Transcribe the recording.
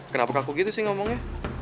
kenapa kaku gitu sih ngomongnya